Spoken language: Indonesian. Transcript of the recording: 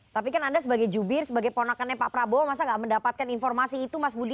tapi kan anda sebagai jubir sebagai ponakannya pak prabowo masa gak mendapatkan informasi itu mas budi